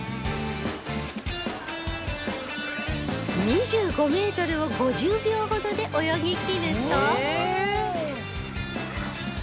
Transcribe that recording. ２５メートルを５０秒ほどで泳ぎきるとええ！？